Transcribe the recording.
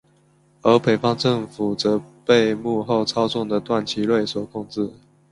而北方政府则被幕后操纵的段祺瑞所控制。